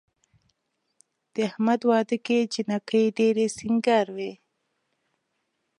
د احمد واده کې جینکۍ ډېرې سینګار وې.